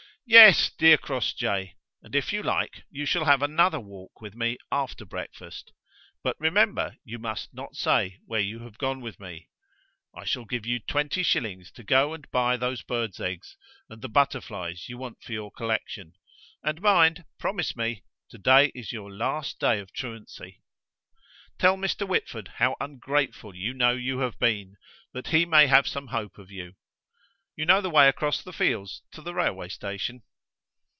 "Yes, dear Crossjay, and if you like you shall have another walk with me after breakfast. But, remember, you must not say where you have gone with me. I shall give you twenty shillings to go and buy those bird's eggs and the butterflies you want for your collection; and mind, promise me, to day is your last day of truancy. Tell Mr. Whitford how ungrateful you know you have been, that he may have some hope of you. You know the way across the fields to the railway station?"